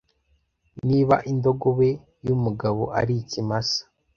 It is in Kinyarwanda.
Niba indogobe yumugabo ari ikimasa